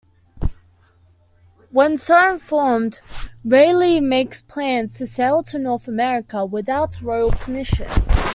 When so informed, Raleigh makes plans to sail to North America without royal permission.